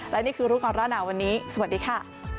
และนี่คือรุกรรณาวันนี้สวัสดีค่ะ